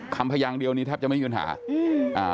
คำพยางเดียวนี้แทบจะไม่มีปัญหา